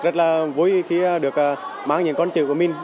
rất là vui khi được mang những con chữ của mình